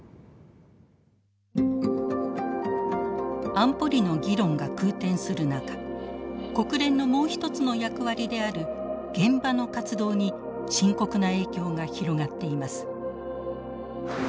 安保理の議論が空転する中国連のもうひとつの役割である現場の活動に深刻な影響が広がっています。